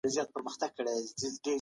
رښتينې مطالعه انسان له افراط څخه ژغوري.